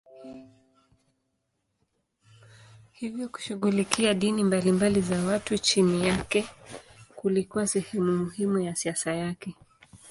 Hivyo kushughulikia dini mbalimbali za watu chini yake kulikuwa sehemu muhimu ya siasa yake.